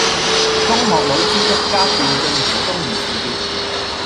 中學老師一家掉進湖中而辭別